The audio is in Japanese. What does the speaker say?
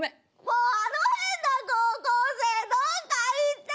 もうあの変な高校生どっか行ってよ！